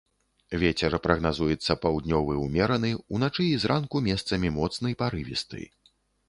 Вецер прагназуецца паўднёвы ўмераны, уначы і зранку месцамі моцны парывісты.